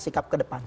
sikap ke depan